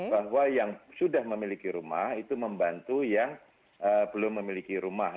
bahwa yang sudah memiliki rumah itu membantu yang belum memiliki rumah